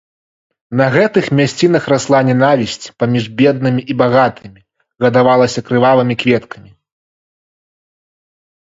На гэтых мясцінах расла нянавісць паміж беднымі і багатымі, гадавалася крывавымі кветкамі.